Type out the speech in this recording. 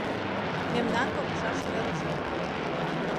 Мемнан погышаш мӧрыжӧ